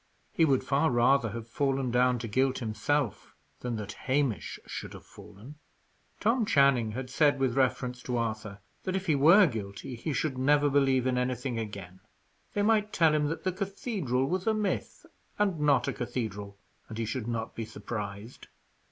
He would far rather have fallen down to guilt himself, than that Hamish should have fallen. Tom Channing had said, with reference to Arthur, that, if he were guilty, he should never believe in anything again; they might tell him that the cathedral was a myth, and not a cathedral, and he should not be surprised.